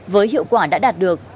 với hiệu quả đã đạt được